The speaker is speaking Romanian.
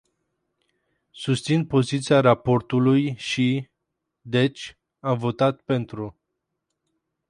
Susțin poziția raportorului și, deci, am votat pentru.